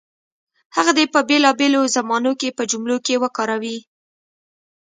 هغه دې په بېلابېلو زمانو کې په جملو کې وکاروي.